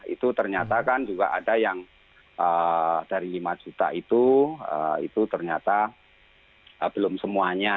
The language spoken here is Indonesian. itu ternyata kan juga ada yang dari lima juta itu itu ternyata belum semuanya